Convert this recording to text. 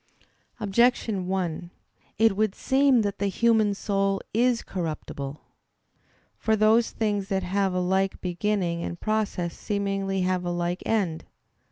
Objection 1: It would seem that the human soul is corruptible. For those things that have a like beginning and process seemingly have a like end.